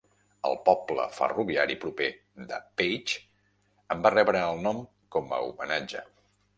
El poble ferroviari proper de Page en va rebre el nom com a homenatge.